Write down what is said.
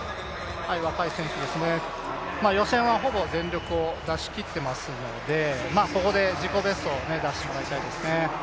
若い選手ですね、予選はほぼ全力を出し切ってますのでそこで自己ベストを出してもらいたいですね。